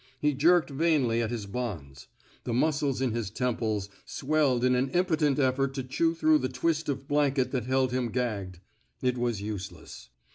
He jerked vainly at his bonds. The muscles in his temples swelled in an impotent effort to chew through the twist of blanket that held him gagged. It was useless.